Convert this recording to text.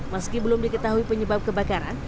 meski belum diketahui penyebab kebakaran